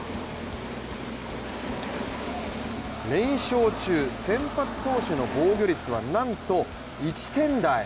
連勝中、先発投手の防御率はなんと１点台。